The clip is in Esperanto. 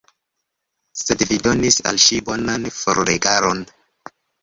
Sed vi donis al ŝi bonan forregalon!